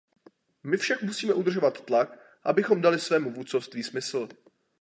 My však musíme udržovat tlak, abychom dali svému vůdcovství smysl.